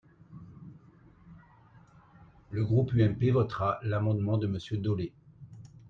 Le groupe UMP votera l’amendement de Monsieur Dolez.